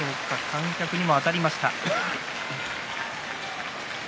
観客にも当たりました。